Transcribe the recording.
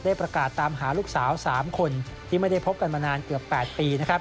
ประกาศตามหาลูกสาว๓คนที่ไม่ได้พบกันมานานเกือบ๘ปี